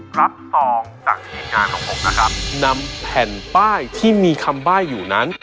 รับสองจากทีมงานของผมกลับนำแผ่นป้ายที่มีคำบ้ายอยู่นั้น